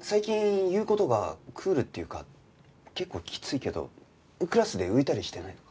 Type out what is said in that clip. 最近言う事がクールっていうか結構きついけどクラスで浮いたりしてないのか？